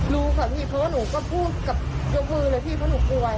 รู้ค่ะพี่เพราะว่าหนูก็พูดกับยกมือเลยพี่เพราะหนูป่วย